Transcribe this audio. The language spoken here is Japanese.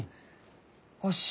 よし。